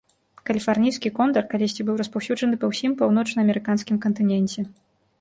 Каліфарнійскі кондар калісьці быў распаўсюджаны па ўсім паўночнаамерыканскім кантыненце.